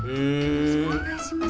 よろしくお願いします。